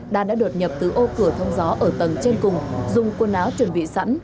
đan đã đột nhập từ ô cửa thông gió ở tầng trên cùng dùng quần áo chuẩn bị sẵn